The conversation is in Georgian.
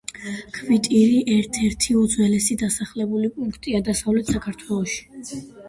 ქვიტირი ერთ-ერთი უძველესი დასახლებული პუნქტია დასავლეთ საქართველოში